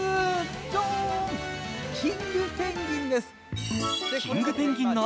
ドーンキングペンギンです。